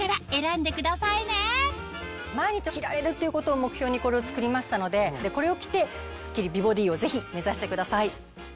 毎日着られるっていうことを目標にこれを作りましたのでこれを着てすっきり美ボディーをぜひ目指してください。